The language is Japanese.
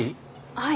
はい。